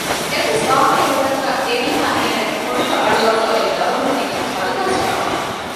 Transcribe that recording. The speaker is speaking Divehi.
އެއްވެސް ވާހަކައެއް ނުދައްކާ އެމީހާ އޭނަގެ ކޮނޑުގައި އަޅުވާފައި އޮތް ދަބަހުން ނެގީ ކަރުދާސްގަޑެއް